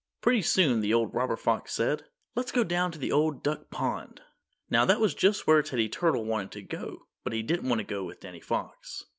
Pretty soon the old robber fox said, "Let's go down to the Old Duck Pond." Now that was just where Teddy Turtle wanted to go, but he didn't want to go with Danny Fox.